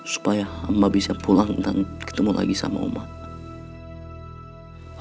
supaya hamba bisa pulang dan ketemu lagi sama umat